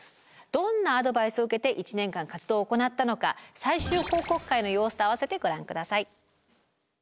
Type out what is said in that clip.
どんなアドバイスを受けて１年間活動を行ったのか最終報告会の様子と合わせてご覧下さい。